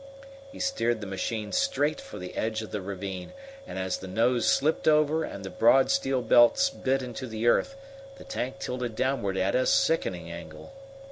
He steered the machine straight for the edge of the ravine, and as the nose slipped over and the broad steel belts bit into the earth the tank tilted downward at a sickening angle.